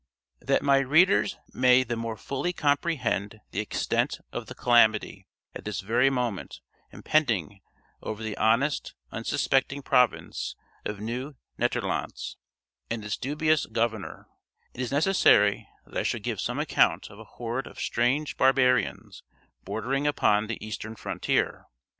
That my readers may the more fully comprehend the extent of the calamity at this very moment impending over the honest, unsuspecting province of Nieuw Nederlandts and its dubious governor, it is necessary that I should give some account of a horde of strange barbarians bordering upon the eastern frontier.